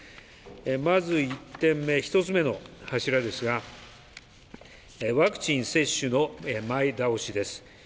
まず１点目、１本目の柱ですが、ワクチン接種の前倒しです。